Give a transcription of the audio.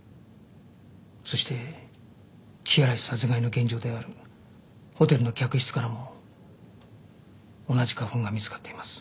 そして木原氏殺害の現場であるホテルの客室からも同じ花粉が見つかっています。